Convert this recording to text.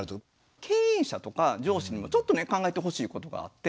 経営者とか上司にもちょっと考えてほしいことがあって。